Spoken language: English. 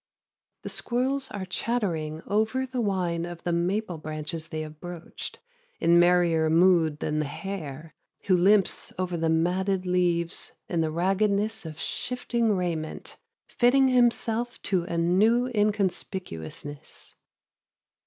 The squirrels are chattering over the wine of the maple branches they have broached, in merrier mood than the hare, who limps over the matted leaves in the raggedness of shifting raiment, fitting himself to a new inconspicuousness.